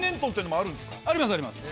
ありますあります